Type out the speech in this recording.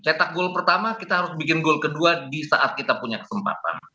cetak gol pertama kita harus bikin gol kedua di saat kita punya kesempatan